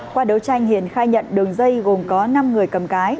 qua đấu tranh hiền khai nhận đường dây gồm có năm người cầm cái